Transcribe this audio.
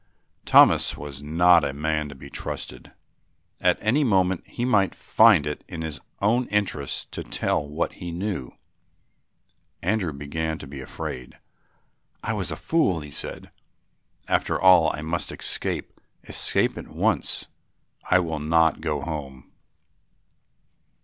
Thomas was not a man to be trusted. At any moment he might find it to his own interests to tell what he knew. Andrew began to be afraid. "I was a fool," he said, "after all. I must escape, escape at once; I will not go home."